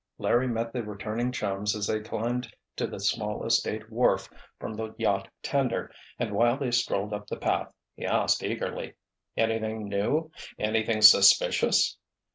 Larry met the returning chums as they climbed to the small estate wharf from the yacht tender, and while they strolled up the path he asked eagerly: "Anything new? Anything suspicious?"